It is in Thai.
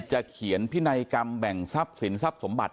เขียนพินัยกรรมแบ่งทรัพย์สินทรัพย์สมบัติ